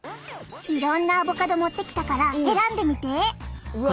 いろんなアボカド持ってきたから選んでみて！